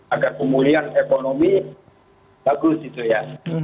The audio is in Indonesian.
agar pemulihan ekonomi bagus itu ya